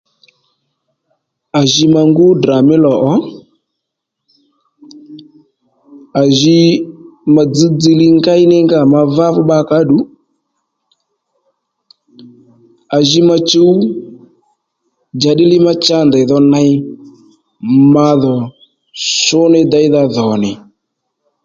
À ji ma ngú Ddrà mí lò ò, a ji ma dzž dziylíy ngéy ní nga ò ma vá fu bba kǎ ddù, a ji ma chǔw njàddí li ma cha ndèy dho ney madhò shú ní deydha dhò nì